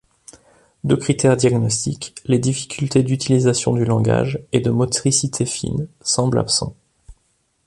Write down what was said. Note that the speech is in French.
Deux critères diagnostiques, les difficultés d'utilisation du langage et de motricité fine, semblent absents.